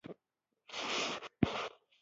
د اسانۍ لارې به ورته لټوي.